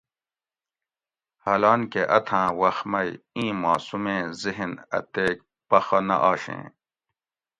حالانکہ اتھاۤن وخت مئی اِیں معصومیں ذہن اتیک پخہ نہ آشیں